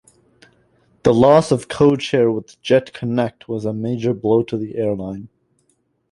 The loss of the code-share with Jetconnect was a major blow to the airline.